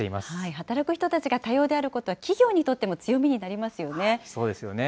働く人たちが多様であることは、企業にとっても強みになりまそうですよね。